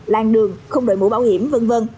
lan đường không đợi mũ bảo hiểm v v